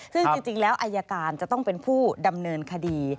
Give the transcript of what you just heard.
ซึ่งจริงแล้วอายการจะต้องเป็นผู้ดำเนินคดี